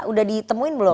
sudah ditemuin belum